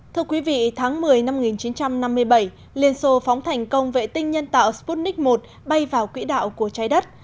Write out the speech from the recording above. thưa quý vị tháng một mươi năm một nghìn chín trăm năm mươi bảy liên xô phóng thành công vệ tinh nhân tạo sputnik một bay vào quỹ đạo của trái đất